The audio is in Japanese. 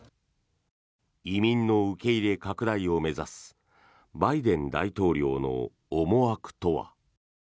移民の受け入れ拡大を目指すバイデン大統領の思惑とは。